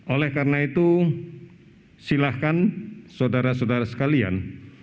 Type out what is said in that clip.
oleh karena itu silahkan saudara saudara sekalian